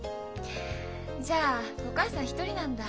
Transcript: じゃあお母さん一人なんだ。